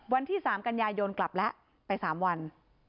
วันที่๓กันยายนกลับแล้วไป๓วัน